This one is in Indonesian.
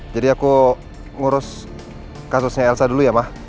jadi aku ngurus kasusnya elsa dulu ya ma